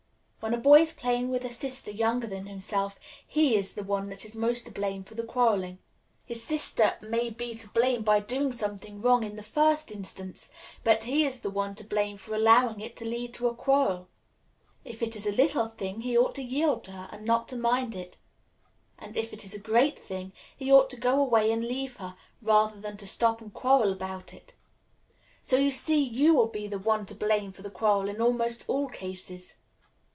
When a boy is playing with a sister younger than himself, he is the one that is most to blame for the quarrelling. His sister may be to blame by doing something wrong in the first instance; but he is the one to blame for allowing it to lead to a quarrel. If it is a little thing, he ought to yield to her, and not to mind it; and if it is a great thing, he ought to go away and leave her, rather than to stop and quarrel about it. So you see you will be the one to blame for the quarrel in almost all cases.